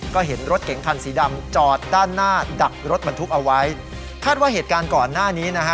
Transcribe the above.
ก็เห็นรถเก๋งคันสีดำจอดด้านหน้าดักรถบรรทุกเอาไว้คาดว่าเหตุการณ์ก่อนหน้านี้นะฮะ